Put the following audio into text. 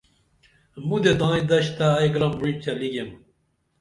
مُدے تائیں دشتہ ائی گرم وعی چلی گیم